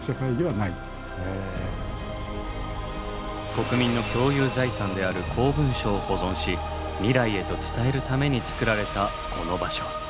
国民の共有財産である公文書を保存し未来へと伝えるために作られたこの場所。